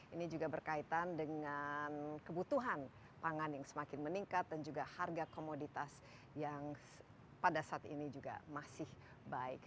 ini juga berkaitan dengan kebutuhan pangan yang semakin meningkat dan juga harga komoditas yang pada saat ini juga masih baik